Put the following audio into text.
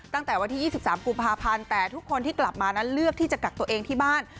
ตั้งแต่วันที่๒๓กุมภาพันธ์แต่ทุกคนที่กลับมานั้นเลือกที่จะกักตัวเองที่บ้าน